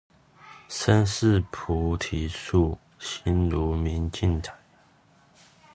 身是菩提樹，心如明鏡台